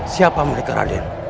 siapa mereka raden